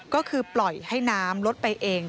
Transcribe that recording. ก็คือปล่อยให้น้ำลดไปเอง